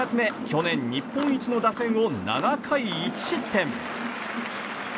去年、日本一の打線を７回１失点。